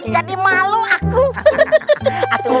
jadi malu aku